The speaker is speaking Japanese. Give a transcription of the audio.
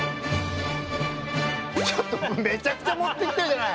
ちょっとめちゃくちゃ持ってきてるじゃない。